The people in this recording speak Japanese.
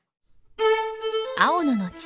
青野の父